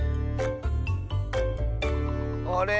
あれ？